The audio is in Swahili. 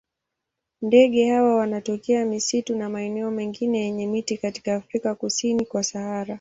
Ndege hawa wanatokea misitu na maeneo mengine yenye miti katika Afrika kusini kwa Sahara.